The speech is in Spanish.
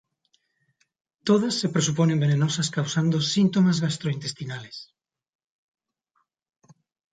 Todas se presuponen venenosas, causando síntomas gastrointestinales.